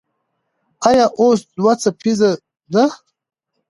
ایا اوس دوه څپیزه ده؟